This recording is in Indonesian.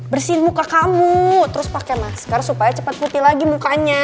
bersihin muka kamu terus pakai masker supaya cepat putih lagi mukanya